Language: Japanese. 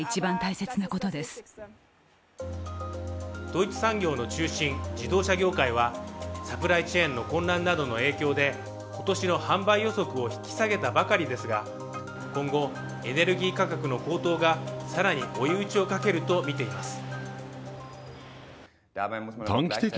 ドイツ産業の中心、自動車業界はサプライチェーンの混乱などの影響で今年の販売予測を引き下げたばかりですが今後、エネルギー価格の高騰が更に追い打ちをかけると見ています。